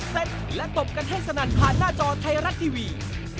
เสร็จและตบกันให้สนั่นผ่านหน้าจอไทยรัฐทีวี